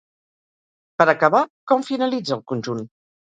Per acabar, com finalitza el conjunt?